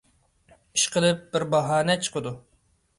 ئىشقىلىپ، بىر باھانە چىقىدۇ.